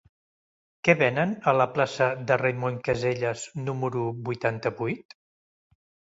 Què venen a la plaça de Raimon Casellas número vuitanta-vuit?